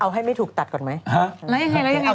เอาให้ไม่ถูกตัดก่อนไหมฮะแล้วยังไงต่อ